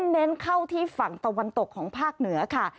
เน้นเข้าที่ฝั่งตะวันตกของภาคเหนือค่ะ